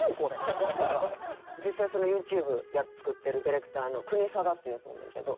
実際そのＹｏｕＴｕｂｅ作ってるディレクターのクニサダっていうヤツおるねんけど。